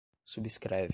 subscreve